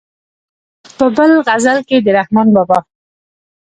په بل غزل کې د رحمان بابا.